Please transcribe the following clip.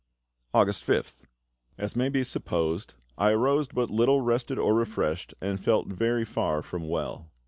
August 5th. As may be supposed, I arose but little rested or refreshed, and felt very far from well.